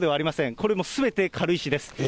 これもすべて軽石です。